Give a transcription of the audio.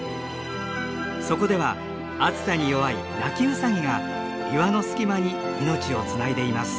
そこでは暑さに弱いナキウサギが岩の隙間に命をつないでいます。